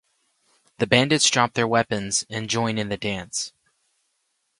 The bandits drop their weapons and join in the dance.